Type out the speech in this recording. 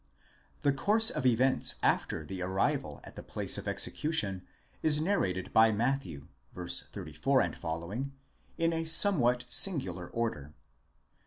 ® The course of events after the arrival at the place of execution is narrated by Matthew (v. 34 ff.) in a somewhat singular order.